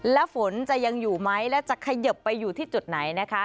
แล้วฝนจะยังอยู่ไหมและจะเขยิบไปอยู่ที่จุดไหนนะคะ